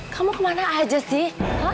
kamu kemana aja sih